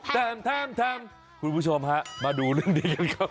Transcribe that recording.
คุณผู้ชมฮะมาดูเรื่องนี้กันก่อน